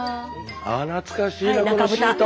あ懐かしいなこのシート。